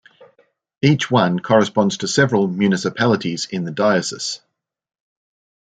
Each one corresponds to several municipalities in the diocese.